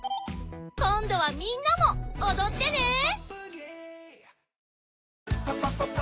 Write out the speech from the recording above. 今度はみんなもおどってね！